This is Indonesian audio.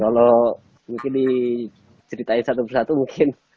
kalau mungkin diceritain satu persatu mungkin